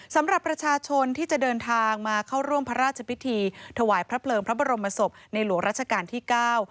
สำหรับประชาชนที่จะเดินทางมาเข้าร่วมพระราชพิธีถวายพระเพลิงพระบรมศพในหลวงราชการที่เก้า